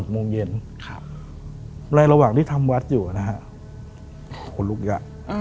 ๕๖โมงเย็นหลายระหว่างที่ทำวัดอยู่ผมลุกห่ะ